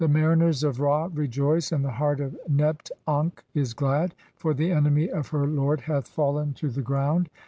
"mariners of Ra rejoice, and the heart of Nebt ankh I is glad, (47) "for the enemy of her lord hath fallen to the ground.